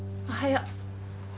おはよう。